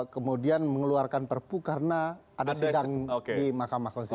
kemudian mengeluarkan perpu karena ada sidang di mahkamah konstitusi